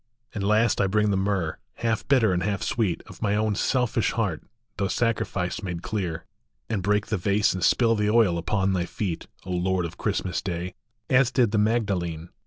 And last I bring the myrrh, half bitter and half sweet, Of my own selfish heart, through sacrifice made cleai And break the vase and spill the oil upon thy feet, O Lord of Christmas Day, as did the Magdalene.